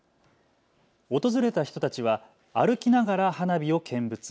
訪れた人たちは歩きながら花火を見物。